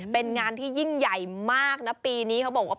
เป็นงานที่ยิ่งใหญ่มากนะปีนี้เขาบอกว่า